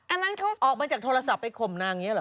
อันนั้นเขาออกมาจากโทรศัพท์ไปข่มนางอย่างนี้เหรอ